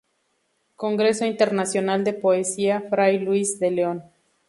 Congreso Internacional de Poesía Fray Luis de León".